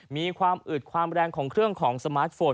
มีความอืดความแรงของเครื่องของสมาร์ทโฟน